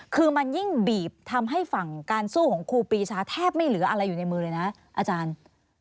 คือมันยิ่งบีบทำให้ฝั่งการสู้ของครูปีชาแทบไม่เหลืออะไรอยู่ในมือเลยนะอาจารย์